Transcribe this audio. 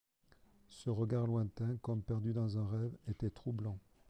Ce regard lointain, comme perdu dans un rêve, était troublant.